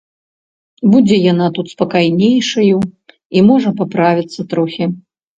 Будзе яна тут спакайнейшаю і можа паправіцца трохі.